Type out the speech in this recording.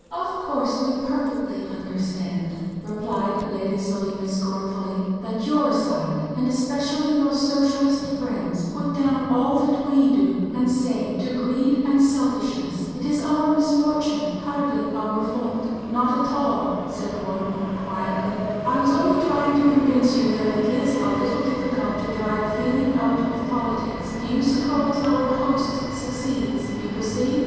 "Of course we perfectly understand," replied Lady Selina, scornfully, "that your side and especially your Socialist friends, put down all that we do and say to greed and selfishness. It is our misfortune hardly our fault." "Not at all," said Wharton, quietly, "I was only trying to convince you that it is a little difficult to drive feeling out of politics. Do you suppose our host succeeds? You perceive?